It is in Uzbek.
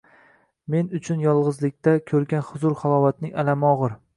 men uchun yolg’izlikda ko’rgan huzur-halovatning alami og’ir.